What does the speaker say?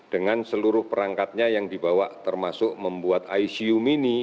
dengan seluruh perangkatnya yang dibawa termasuk membuat icu mini